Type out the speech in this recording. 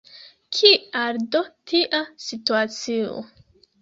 Kial do tia situacio?